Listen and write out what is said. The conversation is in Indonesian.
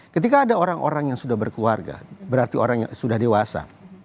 ketika ada orang orang yang sudah berkeluarga berarti orang yang sudah dewasa